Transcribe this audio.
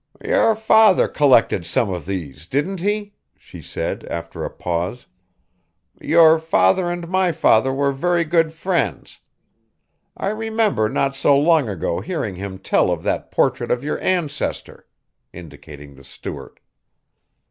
"Your father collected some of these, didn't he?" she said after a pause. "Your father and my father were very good friends. I remember not so long ago hearing him tell of that portrait of your ancestor," indicating the Stuart.